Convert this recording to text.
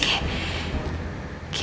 gimana elok lah